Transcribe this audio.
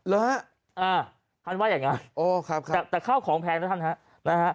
หรือฮะอ่าท่านว่าอย่างงี้โอ้ครับครับแต่เข้าของแพงนะท่านฮะนะฮะ